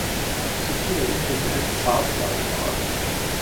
سچی لگن کے تحت سات سال بعد